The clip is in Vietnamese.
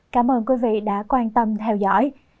cảm ơn quý vị đã quan tâm theo dõi